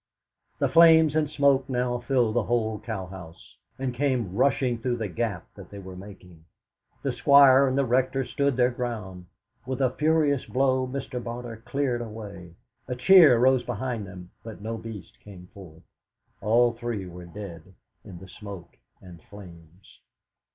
The flames and smoke now filled the whole cow house, and came rushing through the gap that they were making. The Squire and the Rector stood their ground. With a furious blow Mr. Barter cleared a way. A cheer rose behind them, but no beast came forth. All three were dead in the smoke and flames.